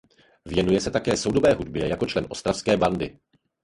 Věnuje se také soudobé hudbě jako člen Ostravské bandy.